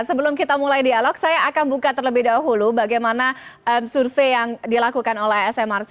sebelum kita mulai dialog saya akan buka terlebih dahulu bagaimana survei yang dilakukan oleh smrc